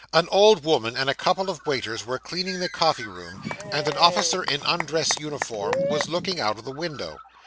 An old woman and a couple of waiters were cleaning the coffee room, and an officer in undress uniform was looking out of the window.